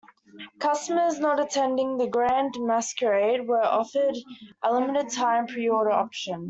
Customers not attending The Grand Masquerade were offered a limited time preorder option.